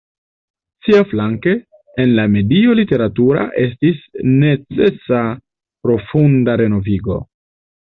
Siaflanke, en la medio literatura estis necesa profunda renovigo.